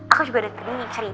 aku juga udah terima cerita